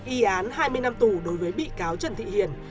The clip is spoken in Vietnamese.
y án hai mươi năm tù đối với bị cáo trần thị hiền